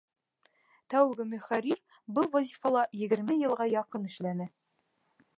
Тәүге мөхәррир был вазифала егерме йылға яҡын эшләне.